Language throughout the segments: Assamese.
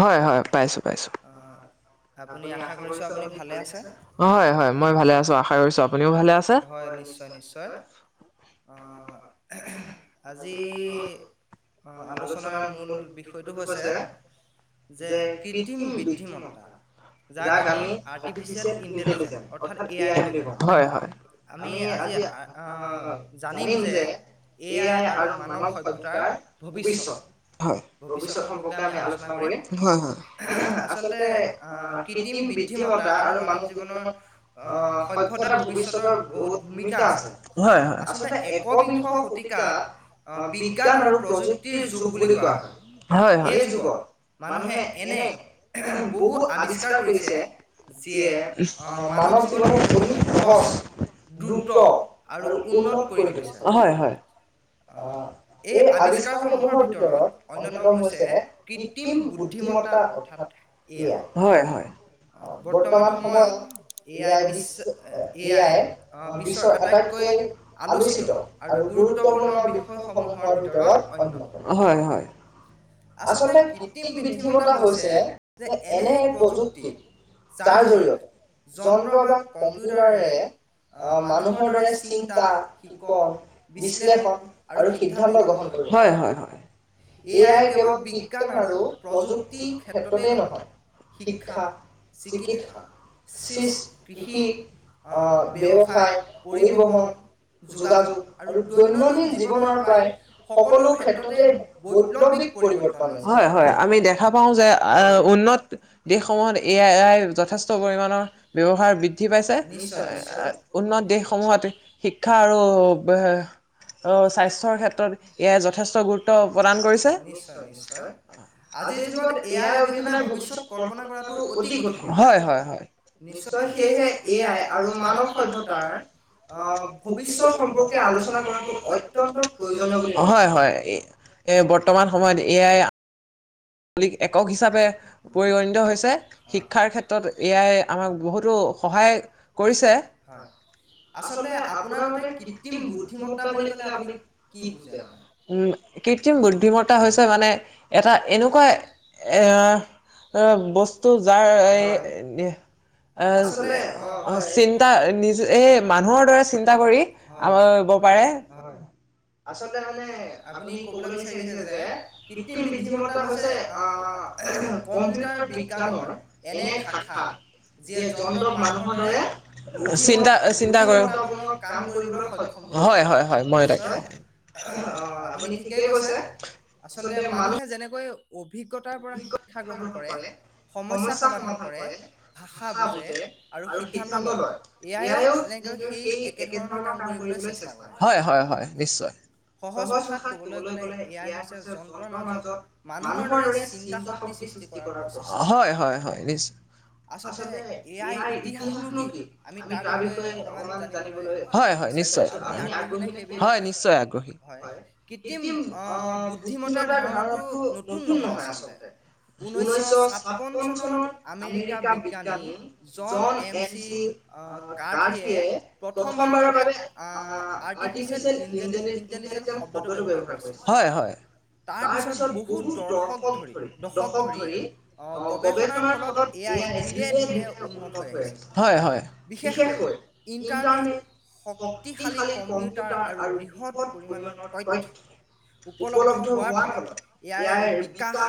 হয় -হয় -হয় পাইছোঁ, পাইছোঁ। আপুনি আশা কৰিছো আপুনি ভালে আছে? হয়- হয় মই ভালে আছো। আশা ৰাখিছোঁ আপুনিও ভালে আছে? হয় নিচ্ছয় নিচ্ছয়। অহ ', আজি আলোচনামুলক, সেইটো পৰ্যায় যে কৃতৃত্ৰিম বৃদ্ধিমতা যাক আমি আৰ্টিফিচিয়েল ইণ্টেলিজেঞ্চ অৰ্থাৎ এ- আই বুলি কওঁ হয় -হয়, আমি আজি আহ, জানিম যে এ- আই আৰু মানৱ সভ্যতাৰ ভৱিষ্যত। হয়। ভৱিষ্যত সম্পৰ্কে আমি আলোচনা কৰিম হয়- -হয়। আচল্ততে আহ', কৃতিম বুদ্ধিমতা আৰু মানুহ জীৱননৰ আহ ', সভ্যতাৰ ভৱিষ্যতৰ বহুত ভূমিকা আছে হয় -হয়, আচলতে একবিংশ শতিকাক বিজ্ঞান আৰু প্ৰযুক্তিৰ যুগ বুলি কোৱা হয়। হয় -হয়। এই যুগত মানুহে এনে বহুত আৱিষ্কাৰ কৰিছে যিয়ে মানৱ জীৱন অধিক সহজ, দ্ৰুত আৰু উন্নত কৰি তুলিছে হয় - হয়। আহ', এই আৱিষ্কাৰসমূহৰ ভিতৰত অন্যতম্, ' হৈছে কৃত্ৰিম বুদ্ধিমত্তা অৰ্থাৎ এ - হয়। বৰ্তমান সময়ত এ- আই, বিশ্ব এ -আই আহ', বিশ্বৰ আটাইতকৈ আলোচিত আৰু গুৰুত্ব, গুৰুত্বপূৰ্ণ বিষ়সমূহৰ ভিতৰত অন্যতম। হয়- হয় আচলতে কৃত্ৰিম বৃদ্ধিমত্তা হৈছে যে এনে এক প্ৰযুক্তি যাৰ জৰিয়তে যন্ত্ৰ বা কম্পিউটাৰে আহ, মানুহৰ দৰে চিন্তা শিকন -বিশ্লেষণ আৰু সিদ্ধান্ত গ্ৰহণ কৰিব। হয়- হয় এ -আই কেৱল বিজ্ঞান আৰু প্ৰযুক্তিৰ ক্ষেত্ৰতেই নহয় শিক্ষা চিকিৎসা কৃষি ব্যৱসায় পৰিবহণ যোগাযোগ আৰু দৈনন্দিন জীৱনৰ প্ৰায় সকলো ক্ষেত্ৰতে প্লবিক পৰিৱৰ্তন হয় হয় আমি দেখা পাওঁ যে উন্নত দেশসমূহত এ আ আই যথেষ্ট পৰিমাণৰ ব্যৱহাৰ বৃদ্ধি পাইছে উন্নত দেশসমূহত শিক্ষা আৰু স্বাস্থ্যৰ ক্ষেত্ৰত এ আাই যথেষ্ট গুৰুত্ব নিচয় নিশ্চয় আজিৰ যুগত এ আই অবিহনোৰ ভৱিষ্যয়ত কল্পনা কৰাটো অতি কঠ হয় হয় হয় নিশ্চয় সেয়েহে এ আই আৰু মানৱ সভ্যতাই আহ ভৱিষ্যত সম্পৰ্কে আলোচনা কৰাটো অত্যন্ত প্ৰয়োজনীয় বুলি হয় হয় এ বৰ্তমান অসমত এয়াই মলিক একক হিচাপে পৰিগণিত হৈছে শিক্ষাৰ ক্ষেত্ৰত এয়াই আমাক বহুতো সহায় কৰিছে আচলতে আপোনাৰ মতে কৃত্ৰিম বুদ্ধিমতা বুলি কলে আপুনি কি উ কৃত্ৰিম বুদ্ধিমত্তা হৈছে মানে এটা এনেকুৱা এৰ এ বস্তু যাৰ এ এ চিন্তা নিজ এই মানুহৰ দৰে চিন্তা কৰি আব পাৰে আচলতে মানে আপুনি কবলৈ বিচাৰিছে যে কৃত্ৰিম বুদ্ধিমতা হৈছে আহ কম্পিউটাৰ বিজ্ঞানৰ এনে শাখা যে যন্ত্ৰক মানুহৰ দৰে চিন্তা চিন্তা কৰে কাম কৰিবলৈক্ষম হয় হয় হয় মই অঁ আপুনি ঠিকেই কৈছে আচলতে মানুহে যেনেকৈ অভিজ্ঞ শিক্ষা গ্ৰহণ কৰে সমস্যাৰ সমাধান কৰে ভাষা বুজে আৰু সিদ্ধান্ত লয় এয়াইও সেই একেধৰণৰ কাম কৰিবলৈ চেষ্টা কৰে হয় হয় হয় নিশ্চয় সহজ ভাষাত কবলৈ গলে এয়া হৈছে যন্ত্ৰৰ মাজত মানুহৰ দৰে হয় হয় হয় নি্চ আচ ইয়াৰ ইতিহাসনো কি আমি তাৰ বিষয়ে অলমান জান হয় হয় নিশ্চয় হয় নিশ্চয় আগহী হয় কৃত্ৰিম আহ বুদ্ধিমত্তাৰ ধাৰণাটো নতুন নহয় আচলতে ঊনৈছশ ছাপন্ন চনত আমেৰিকা বিজ্ঞানী জন এমচি কাৰ্থিয়ে প্ৰথমবাৰৰ বাবে আৰ্টিফিচিয়েল ইণ্টেলিজে ইনটেলিজেন শব্দটো ব্যৱহাৰ কৰি হয় হয় তাৰপিছত বহুত দৰ্শক দশক ধৰি আহ গৱেষণাৰ ফলত এয়াই ধীৰে ধীৰে উন্নত হৈ আছে হয় হয় বিশেষকৈ ইণ্টাৰনেট শক্তিশালী কম্পিউটাৰ আৰু বৃহৎ পৰিমাণৰ তথ্য উপলব্ধ হোৱাৰ ফলত ইয়াৰ বিকাশ বুকা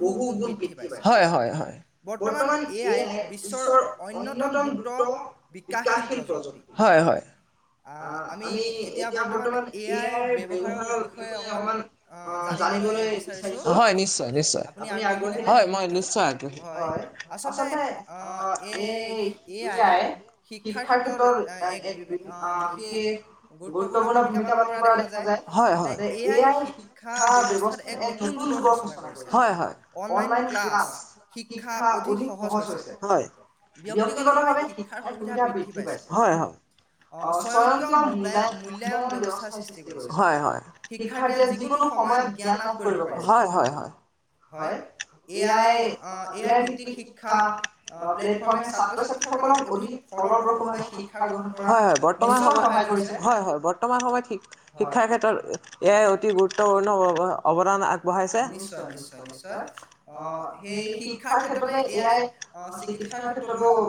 গুণ বৃদ্ধি পায়ছে হয় হয় হয় বৰ্তমান এ আই বিশ্বৰ অনয়তম দ্ৰুত বিকাশশীল প্ৰযুক্তি হয় হয় অঁ আমি এতিয়া বৰ্তমান এ আইৰ ব্যৱহাৰৰ বিষয়ে অকমান অ জানিবলৈ বিচাৰিছো হয় নিশ্চয় নিশ্চয় আপুনিগ হয় নিশ্চয় আগহী হয় আচলতে অঁ এইয়াই শিক্ষাৰ ক্ষেত্ৰত এক অ', বিশেষ গুৰুত্বপূৰ্ণ ভূমিকা পালন কৰা দেখা যায় হয়, হয় এয়াই শিক্ষা ব্যৱস্থাত এক এক নতুন যুগৰ সুচনা হৈছে, হয়, হয়, অনলাইন ক্লাছ শিক্ষা অধিক সহজ হৈছে, হয়, ব্যক্তিগত ভাৱে শিক্ষাৰ সুবিধা বৃদ্ধি পাইছে, হয় হয়। অ', স্বয়ংক্ৰিয় মূল্যায়ন ব্যৱস্থা সৃষ্টি কৰিছে, হয়, হয়, শিক্ষাৰ্থীয়ে যিকোনো সময়ত জ্ঞান নাভৰি হয়, হয়, হয়, হয়, এ আই ভিত্তিক শিক্ষা প্লেটফৰ্মে ছাত্ৰ ছাত্ৰীসকলক অধিক ফলপ্ৰসে শিক্ষা গ্ৰহণ কৰা হয়। হয়, হয় বৰ্তমান সময়ত শিক্ষাৰ ক্ষেত্ৰত এয়াই অতি গুৰুত্বপূৰ্ণ অৱদান নিশ্চয় নিশ্চয় নিশ্চয় অ', সেই শিক্ষাৰ ক্ষেত্ৰ এয়াই চিকিৎসাৰ ক্ষেত্ৰতো বহু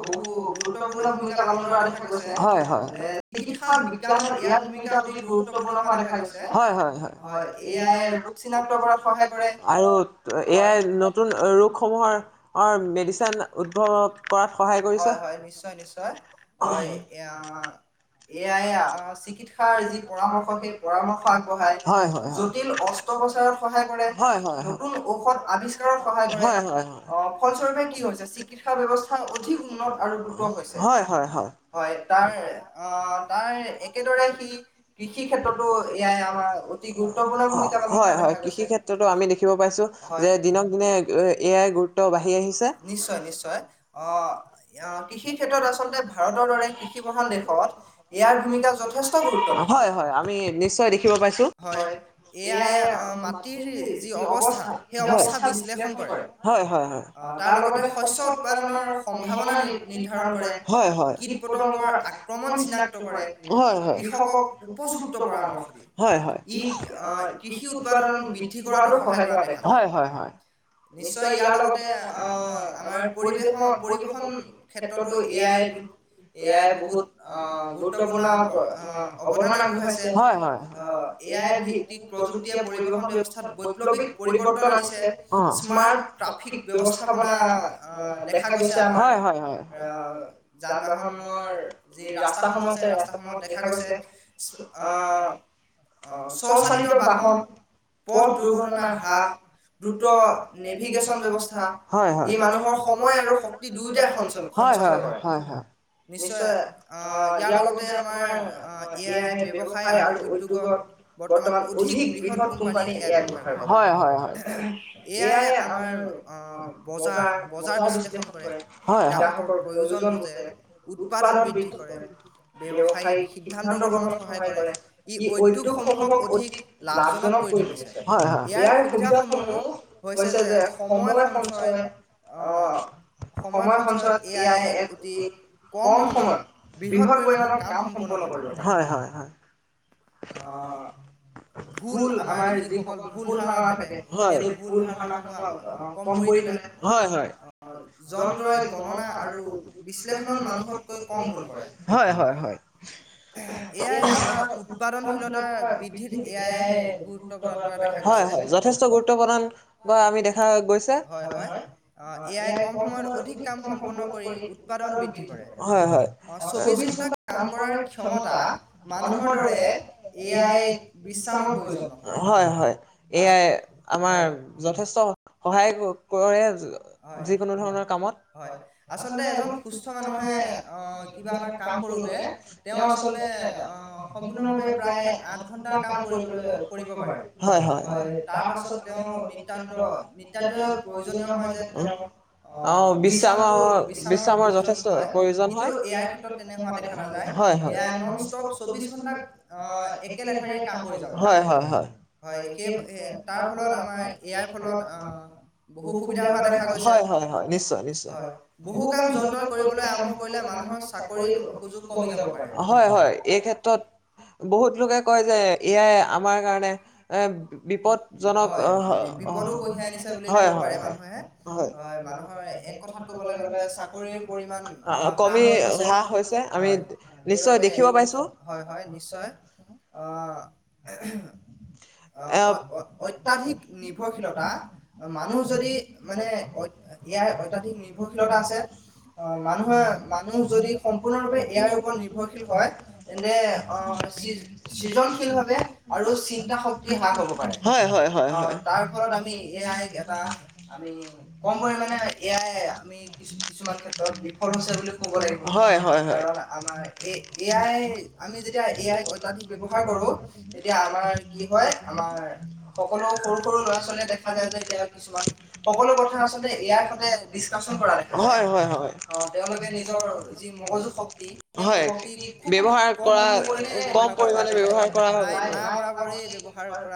গুৰুত্বপূৰ্ণ ভূমিকা পালন কৰা দেখা গৈছে, হয়, হয়। চিকিৎসা বিজ্ঞানত ইয়াৰ ভুমিকা অতি গুৰুত্বপূৰ্ণ হোৱা দেখা গৈছে হয়, হয়, হয়, এয়াই ৰোগ চিন্তা কৰা আৰু এয়াই নতুন ৰোগসমূহৰ অ', মেডিচিন উদ্ভৱ কৰাত সহায় কৰিছে নিশ্চয় নিশ্চিয়। এয়াই চিকিৎসাৰ যি পৰামৰ্শ সেই পৰামৰ্শ আগবঢ়াই হয়, হয়, জটিল অস্ৰপচাৰত সহায় নতুন ঔষধ আৱিস্কাৰ সহায় কৰে অ', ফলস্বৰূপে কি হৈছে, চিকিৎসা ব্যৱস্থাৰ অধিকউন্নত আৰু দ্ৰুত হৈছে, হয়, হয়, হয় [unintelligible] অ', তাৰ একেদৰে সি কৃষি ক্ষেত্ৰতো এয়াই আমাৰ অতি গুৰুত্বপূৰ্ণ ভূমিকা পালন কৰা দেখা গৈছে। কৃষি ক্ষেত্ৰতো আমি দেখিব পাইছো যে দিনক দিনে এয়াই গুৰুত্ব বাঢ়ি আহিছে, নিশ্চয়, নিশ্চয় অ', কৃষি ক্ষেত্ৰত আচলতে ভাৰতৰ কৃষি প্ৰ [unintelligible] যি অৱস্থা সেই অৱস্থা বিশ্লেষণ কৰে হয়, হয়, হয় তাৰ লগতে শস্য উৎপাদনৰ সম্ভাৱনা নিৰ্ধাৰণ কৰে হয়, হয় শীত পতংগৰ চিনাক্ত কৰে হয়, হয় কৃষকক উপযুক্ত কৰা হয় হয় ই কৃষি উৎপাদন কি কৰাতো সহায় কৰা হয়, হয়, হয় নিশ্চয় ইয়াৰ লগতে অ আমাৰ পৰিবেশ পৰিবহন ক্ষেত্ৰতো এয়াই এয়াই বহুত অ', গুৰুত্বপূৰ্ণ অৱদান আগবঢ়াইছে হয় এয়াই প্ৰযুক্তিয়ে পৰিবহনা বৈপ্লৱিক পৰিৱৰ্তন আনিছে স্মাৰ্ট ট্ৰফিক ব্যয়স্থাপনা দেখা গৈছে আমাৰ হয় যান-বাহনৰ যি ৰাস্তাসমূহ আছে ৰাস্তাসমূহত দেখা গৈছে অ', অ', স্বচালিত বাহন পথ দুৰ্ঘটনা হ্ৰাস দ্ৰুত নেভিগেশ্যন ব্যৱস্থা হয়, হয়, ই মানুহৰ সময় আৰু সম দুয়োটা এখনল হয় নিশ্চয় ইয়াৰ লগতে আমাৰ এ আই ব্যৱসায় আৰু উদ্যোগত বৰ্তমান অধিক বৃহৎ কোম্পানী হয়, হয়, হয় এয়াই আমাৰ অ', বজাৰ, বজাৰ বিশ্লেষ কৰে হয় গ্ৰাহ প্ৰয়োজন বঠ উৎপাদন কৰে ব্যৱসায়িক সিদ্ধান্ত গ্ৰহণত সহায় কৰে ই উদ্যোগ সমূহক অধিক লাভজনক কৰি তুলিছে। হয়, হয় ইয়াৰ সুবিধা সমূহ হৈছে যে সময় সঞ্চয় আহ সময় সঞ্চয়ত এয়াই একি কম সময়ত বৃহৎ পৰিৰ কাম সম্পৰ্ণ কৰিব হয়, হয়, হয়। অ', ভুল আমাৰ যিসকল ভুল ধাৰণা থাকে সেই ভুল ধাৰণাসমূহ কম কৰি তোলে আহ যন্ত্ৰই গণনা আৰু বিশ্লেষণত মানুহতকৈ কম ভুল। হয় হয় হয় [inaudible] নতা ব হয় হয় গুৰুত্বপ [unintelligible] আমি দেখা গৈছে অ ক ক সম উৎাদন বদ্ধ [unintelligible] হয় হয় চৌবিশ ঘ ক্ষমতা মানুহৰ দৰে বিশ প্ৰ [unintelligible] হয় হয় এয়াই আমাৰ যথেষ্ট সহায় কৰে যিকোনো ধৰণৰ কামত হয় আচ এ [unintelligible] মানুহে ক তেওঁ আচলতে সম্পূৰ্ণৰূপে বিশ বিশামৰ প্ৰয়ো হয় হয় হয়ন ষ্টপ চৌশ ঘ হয় হয় হয় নিশ্চয় নিশ্চয় [unintelligible] হয় হয় এই ক্ষেত্ৰত বহুত লোকে কয় যে এয়াই আমাৰ কাৰণে এ বিপদজনক হয় হয় কমি হ হৈছে আমি [unintelligible] নিশ্চয় দেখিব পাইছো হয় অ অ অত্যাধিক নিৰ্ভৰশীলতা মানুহ যদি মানে এয়াই অত্যাধিক নিৰ্ভৰশীলতা আছে মানুহে মানুহ যদি সম্পূৰ্ণৰূপে এয়াই ওপৰত নিৰ্ভৰশীল হয় তেন্তে অ সৃজনশীলভাৱে আৰু চিন্তা শক্ত [unintelligible] পাৰে আমি এ এটা আমি কম পৰিে এ আমি কিছুমান ক্ষেত্ৰত বিফল হৈছে বুলি কব লাগিব হয় হয় হয় আমাৰ এই আমি যেতিয়া এয় গজা ব্যৱহাৰ কৰো তেতিয়া আমাৰ কি হয় আমাৰ সকলো সৰু সৰু লৰা ছাল দেখা যায় যে কিছুমান সকলো কথা আ ইয়াৰ সন কৰা তেওঁলোকে নিজৰ যি মগজু শক্তি হয় বয়হাৰ কৰা কম পৰিমণে ব্যৱহাৰ কৰা হ'ল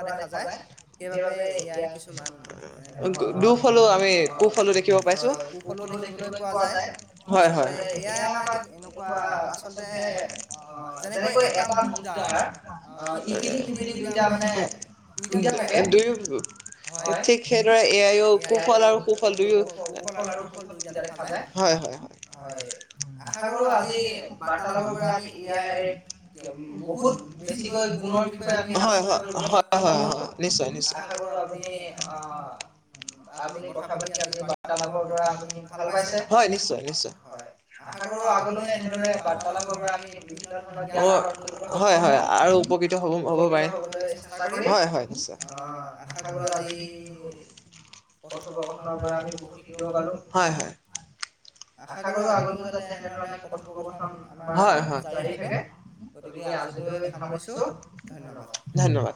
দুফলো আমি কুফলো দেখিব পাইছো কু ফলো দেখিবলৈ পোৱা যায় হয় হয়নে আচ [unintelligible] অ যেনেকৈ এটা মুদ্ৰাৰ অ ই দুইটা মানে দুয়ো ঠিক সেইদৰে এয়াইও কুশল আৰু সুফল দুয়ো আৰু সুফল দেখা যায় হয় হয় আশা কৰো আজি বাৰ্তালাপৰ আমি [unintelligible] য় বহুত বেছিকৈ গুণৰ বিষয়ে আমি হয় নিশ্চয় নিশ্চয় আশাকৰো আমি [unintelligible] বালাপৰ পৰা অ হয় হয় আৰু উপকৃত হ'ব হ'ব পাৰে। হয়-হয় নি্চয় হয়-হয় [unintelligible] ধন্যবাদ।